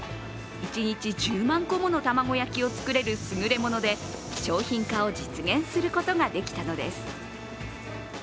一日１０万個もの玉子焼きを作れる優れもので商品化を実現することができたのです。